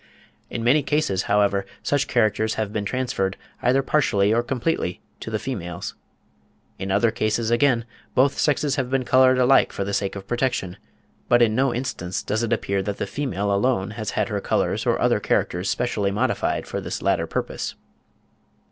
In many cases, however, such characters have been transferred, either partially or completely, to the females. In other cases, again, both sexes have been coloured alike for the sake of protection; but in no instance does it appear that the female alone has had her colours or other characters specially modified for this latter purpose.